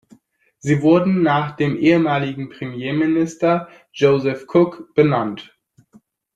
Sie wurde nach dem ehemaligen Premierminister Joseph Cook benannt.